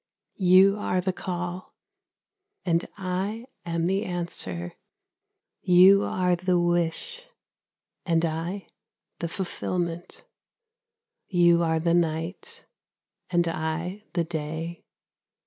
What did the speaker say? You are the call and I am the answer, You are the wish, and I the fulfilment, You are the night, and I the day.